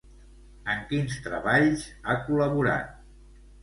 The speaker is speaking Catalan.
En quins treballs ha col·laborat?